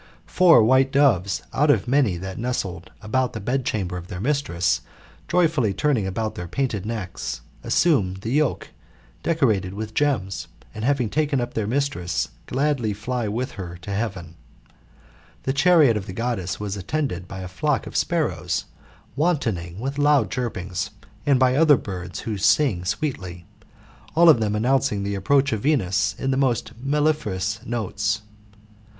Four white doves, out of many that nestled about the bedchamber of their mistress, joyfully turnTngaboilt their painted necks, assume the yoke, decorated wirtr gems, and, having taken up their mistress, gladly fiy'With her to heaven. The chariot of the Goddess was attended by a flock of sparrows, wantoning with loud chirpings, and by other birds who sing sweetly; all of them announcing the approach of Venus in the most mellifluous notes. GOLDEN ASS, OF APULEIUS.